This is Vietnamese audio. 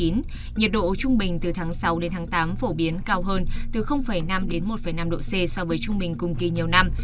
nhiệt độ trung bình từ tháng sáu đến tháng tám phổ biến cao hơn từ năm đến một năm độ c so với trung bình cùng kỳ nhiều năm